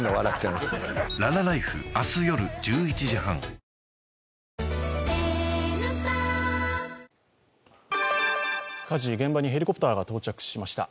ハロー火事、現場にヘリコプターが到着しました。